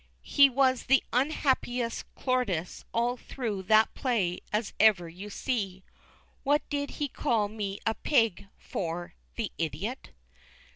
He was the un happyest Clordyus all through that play as ever you see. What did he call me a "pig" for, the idiot?